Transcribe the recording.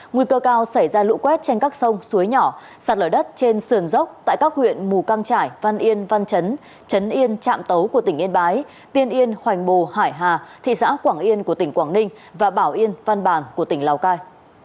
nguy cơ cao xảy ra lũ quét trên các sông suối nhỏ sạt lở đất trên sườn dốc tại các huyện mù căng trải văn yên văn chấn trấn yên trạm tấu của tỉnh yên bái tiên yên hoành bồ hải hà thị xã quảng yên của tỉnh quảng ninh và bảo yên văn bàn của tỉnh lào cai